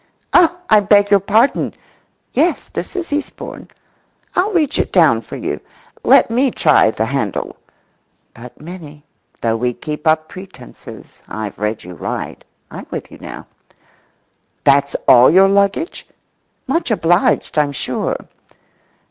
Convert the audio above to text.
"Oh, I beg your pardon! Yes, this is Eastbourne. I'll reach it down for you. Let me try the handle." [But, Minnie, though we keep up pretences, I've read you right—I'm with you now]."That's all your luggage?""Much obliged, I'm sure."